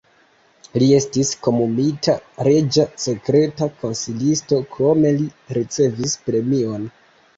Li estis nomumita reĝa sekreta konsilisto, krome li ricevis premion.